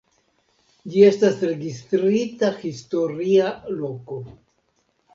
Ĝi estas registrita historia loko.